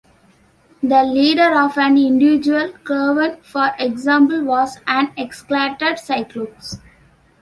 The leader of an individual Klavern, for example, was an Exalted Cyclops.